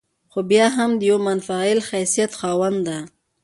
خو بيا هم د يوه منفعل حيثيت خاونده